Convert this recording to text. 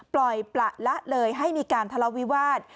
ปล่อยประละเลยให้มีการทะเลาวิวาส